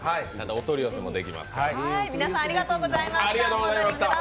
お取り寄せもできますから。